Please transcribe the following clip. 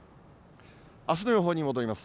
あすの予報に戻ります。